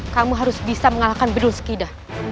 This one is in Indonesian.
kamu harus bisa mengalahkan bedul skida